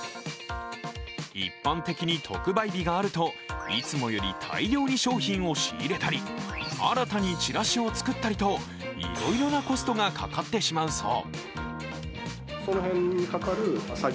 一般的に特売日があると、いつもより大量に商品を仕入れたり新たにチラシを作ったりといろいろなコストがかかってしまうそう。